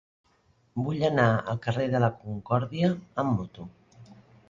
Vull anar al carrer de la Concòrdia amb moto.